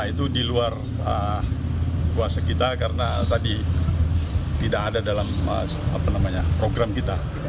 itu di luar kuasa kita karena tadi tidak ada dalam program kita